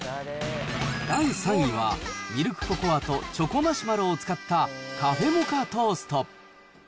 第３位は、ミルクココアとチョコマシュマロを使ったカフェモカトースト。